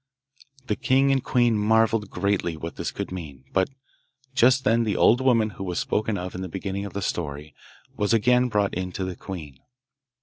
The king and queen marvelled greatly what this could mean; but just then the old woman who was spoken of in the beginning of the story was again brought in to the queen.